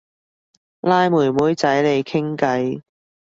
拉妹妹仔嚟傾偈